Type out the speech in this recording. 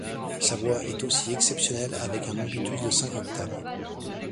Sa voix est aussi exceptionnelle avec un ambitus de cinq octaves.